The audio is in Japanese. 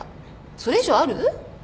それ以上ある？